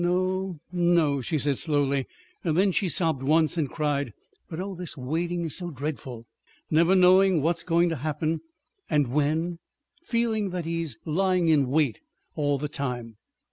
"No no," she said slowly. Then she sobbed once and cried: "But, oh, this waiting's so dreadful! Never knowing what's going to happen and when feeling that he's lying in wait all the time."